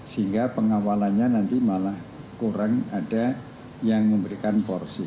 sehingga pengawalannya nanti malah kurang ada yang memberikan porsi